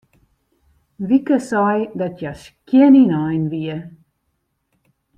Wieke sei dat hja skjin ynein wie.